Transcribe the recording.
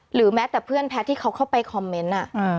หรือแม้แต่เพื่อนแพทย์ที่เขาเข้าไปคอมเมนต์